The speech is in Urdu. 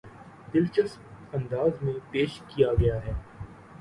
دلچسپ انداز میں پیش کیا گیا ہے